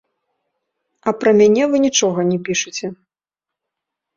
А пра мяне вы нічога не пішыце.